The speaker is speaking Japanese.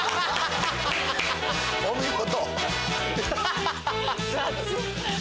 お見事！